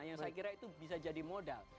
yang saya kira itu bisa jadi modal